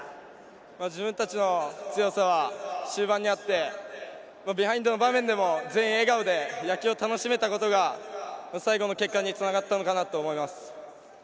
自分たちの強さは終盤にあってビハインドの場面でも全員笑顔で野球を楽しめたことが最後の結果につながったのかなと思います。